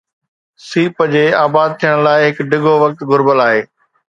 سيپ جي آباد ٿيڻ لاءِ هڪ ڊگهو وقت گهربل آهي.